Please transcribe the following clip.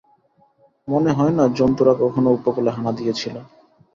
মনে হয় না জন্তুরা কখনো উপকূলে হানা দিয়েছিল।